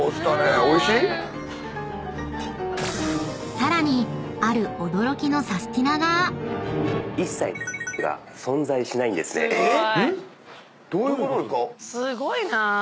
［さらにある驚きのサスティな！が］えっ⁉